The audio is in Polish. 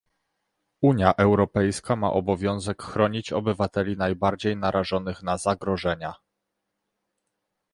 Unia Europejska ma obowiązek chronić obywateli najbardziej narażonych na zagrożenia